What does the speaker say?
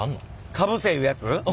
かぶせいうやつ？